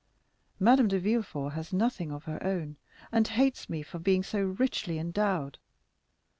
Madame de Villefort has nothing of her own, and hates me for being so richly endowed.